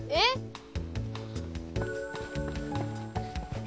えっ！？